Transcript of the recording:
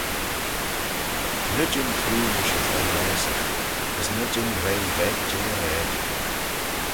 Ny jean troo mysh y tranlaasagh, as ny jean reih veg jeh e raaidyn.